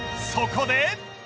そこで